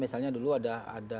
misalnya dulu ada